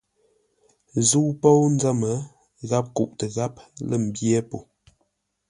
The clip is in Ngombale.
Zə̂u póu nzə́m, gháp kuʼtə gháp lə̂ mbyé po.